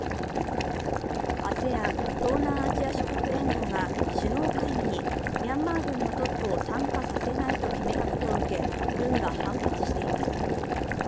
ＡＳＥＡＮ＝東アジア諸国連合が首脳会議にミャンマー軍のトップを参加させないと決めたことを受け軍が反発しています。